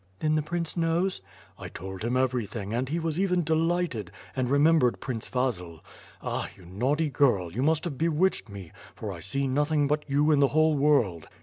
"Then the prince knows?" "I told him everything, and he was even delighted, and re membered Prince Vasil. Ah! You naughty girl! you must have bewitched me, for I see nothing but you in the whole world."